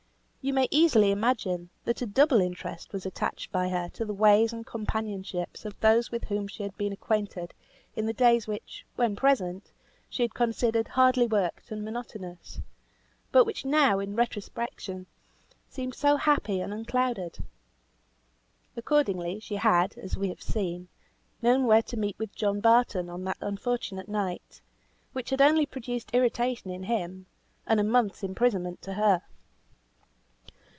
You may easily imagine that a double interest was attached by her to the ways and companionships of those with whom she had been acquainted in the days which, when present, she had considered hardly worked and monotonous, but which now in retrospection seemed so happy and unclouded. Accordingly, she had, as we have seen, known where to meet with John Barton on that unfortunate night, which had only produced irritation in him, and a month's imprisonment to her.